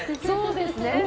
そうですね。